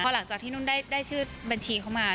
หลังจากที่นุ่นได้ชื่อบัญชีเข้ามา